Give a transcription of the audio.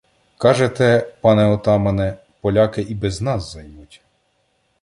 — Кажете, пане отамане, поляки і без нас займуть.